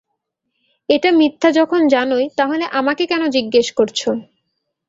এটা মিথ্যা যখন জানোই, তাহলে আমাকে কেন জিজ্ঞেস করছো?